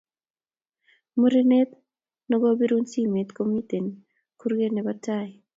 Murenet nogobirun simet komiten kurget nebo tai